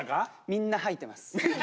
みんな吐いてます。